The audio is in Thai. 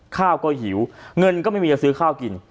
ข้าวก็หิวเงินก็ไม่มีจะซื้อข้าวกิน